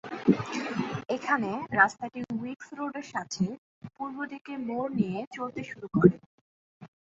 এখানে রাস্তাটি উইকস রোডের সাথে পূর্বদিকে মোড় নিয়ে চলতে শুরু করে।